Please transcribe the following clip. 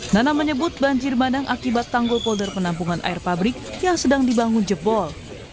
nana menyebut banjir bandang akibat tanggul polder penampungan air pabrik yang sedang dibangun jebol